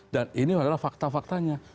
dan ini adalah fakta faktanya